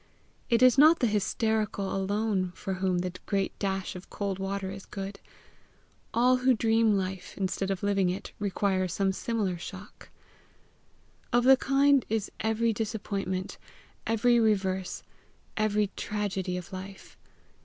It is not the hysterical alone for whom the great dash of cold water is good. All who dream life instead of living it, require some similar shock. Of the kind is every disappointment, every reverse, every tragedy of life.